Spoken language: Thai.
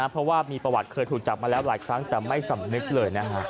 เพราะว่ามีประวัติเคยถูกจับมาแล้วหลายครั้งแต่ไม่สำนึกเลยนะฮะ